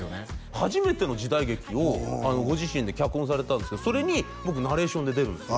初めての時代劇をご自身で脚本されたんですけどそれに僕ナレーションで出るんですよ